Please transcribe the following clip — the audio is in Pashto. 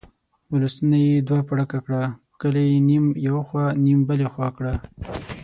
ولسونه یې دوه پړکه کړه، کلي یې نیم یو خوا نیم بلې خوا کړه.